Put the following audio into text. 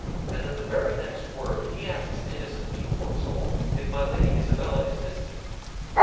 and at the very next word, he asks innocently, pour soul! if my Lady Isabella is missing."